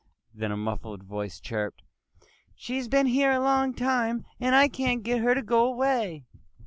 Then a muffled voice chirped, "She's been here a long time and I can't get her to go away."